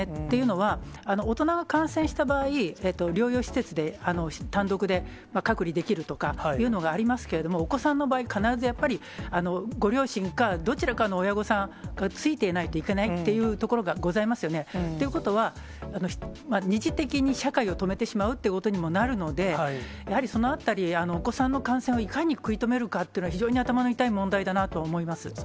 というのは、大人が感染した場合、療養施設で単独で隔離できるとかいうのがありますけれども、お子さんの場合、必ずやっぱりご両親か、どちらかの親御さんがついていないといけないというところがございますよね。ということは、二次的に社会を止めてしまうということにもなるので、やはりそのあたり、お子さんの感染をいかに食い止めるかというのは、非常に頭の痛い問題だなとは思います。